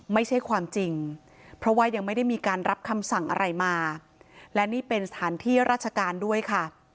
ไม่ใช่ความจริงเพราะว่ายังไม่ได้มีการรับคำสั่งอะไรมาและนี่เป็นสถานที่ราชการด้วยค่ะ